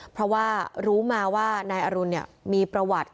เพราะว่ารู้มาว่านายอรุณมีประวัติ